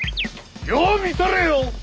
よう見とれよ！